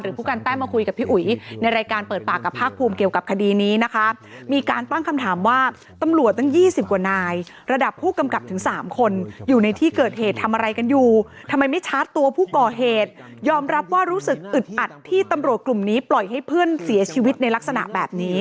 หรือผู้การแต้มมาคุยกับพี่อุ๋ยในรายการเปิดปากกับภาคภูมิเกี่ยวกับคดีนี้นะคะ